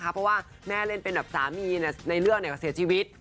เพราะว่าแม่เล่นเป็นแบบสามีในเรื่องเสียชีวิต